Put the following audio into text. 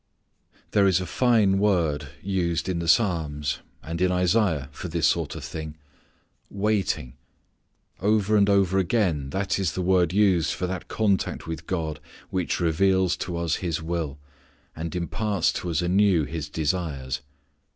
There is a fine word much used in the Psalms, and in Isaiah for this sort of thing waiting. Over and over again that is the word used for that contact with God which reveals to us His will, and imparts to us anew His desires.